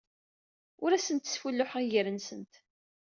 Ur asent-sfulluḥeɣ iger-nsent.